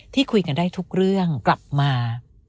ที่คุยกันได้ทุกเรื่องกลับมา